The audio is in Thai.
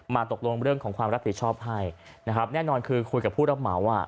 ตกลงเรื่องของความรับผิดชอบให้นะครับแน่นอนคือคุยกับผู้รับเหมาอ่ะ